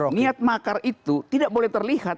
niat makar itu tidak boleh terlihat